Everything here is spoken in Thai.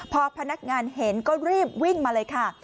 พอพนักงานเห็นก็รีบวิ่งมาเลยค่ะ